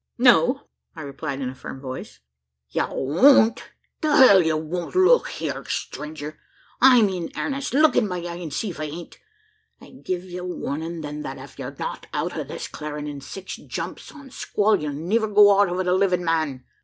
"No," I replied in a firm voice. "Ye won't? The hell, ye won't? Look hyur, stranger! I'm in airnest. Look in my eye, an' see if I ain't! I gi' ye warnin' then, that ef ye're not out o' this clarin' in six jumps o' a squ'll, you'll niver go out o' it a livin' man.